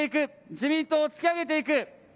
自民党を突き上げていく。